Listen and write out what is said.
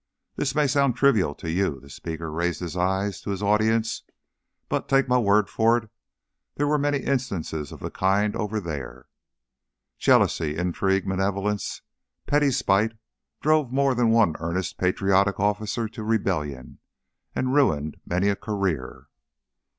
This may sound trivial to you" the speaker raised his eyes to his audience "but, take my word for it, there were many instances of the kind over there. Jealousy, intrigue, malevolence, petty spite, drove more than one earnest, patriotic officer to rebellion and ruined many a career.